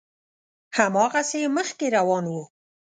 هماغسې مخکې روان و.